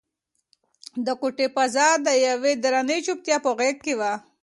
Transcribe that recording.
د کوټې فضا د یوې درنې چوپتیا په غېږ کې وه.